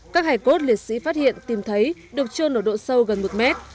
các hải cốt liệt sĩ phát hiện tìm thấy được trơn ở độ sâu gần một mét